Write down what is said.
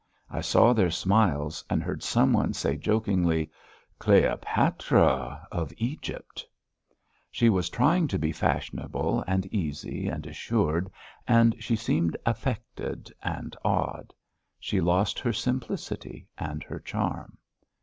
I saw their smiles and heard some one say jokingly: "Cleopatra of Egypt!" She was trying to be fashionable, and easy, and assured, and she seemed affected and odd. She lost her simplicity and her charm.